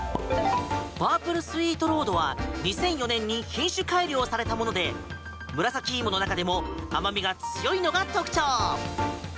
パープルスイートロードは２００４年に品種改良されたものでムラサキイモの中でも甘味が強いのが特徴。